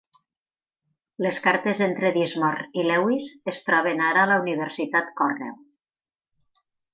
Les cartes entre Dismorr i Lewis es troben ara a la Universitat Cornell.